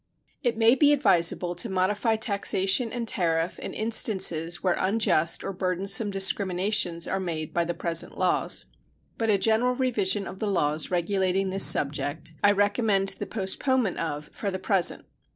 It may be advisable to modify taxation and tariff in instances where unjust or burdensome discriminations are made by the present laws, but a general revision of the laws regulating this subject I recommend the postponement of for the present.